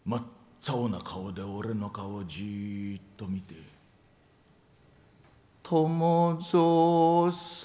真っ青な顔で俺の顔をじーっと見て伴蔵さん。